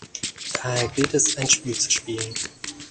Daher gilt es, ein Spiel zu spielen.